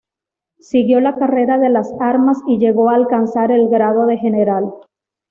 Siguió la carrera de las armas y llegó a alcanzar el grado de general.